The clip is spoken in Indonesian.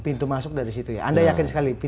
pintu masuk dari situ ya anda yakin sekali